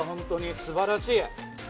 素晴らしい。